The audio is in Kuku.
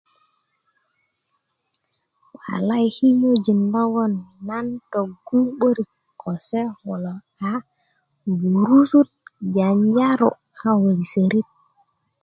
walayi kinyojin logoŋ nan töggu 'börik ko se kulo a burusut janjaru a ko lisörit